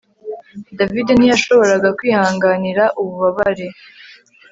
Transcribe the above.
David ntiyashoboraga kwihanganira ububabare